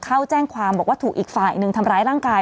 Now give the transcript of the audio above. เข้าแจ้งความบอกว่าถูกอีกฝ่ายหนึ่งทำร้ายร่างกาย